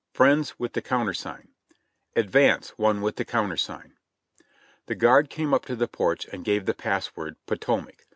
Friends with the countersign," ''Advance, one with the countersign!" The guard came up to the porch and gave the password "Po tomac."